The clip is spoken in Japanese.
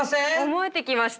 思えてきました。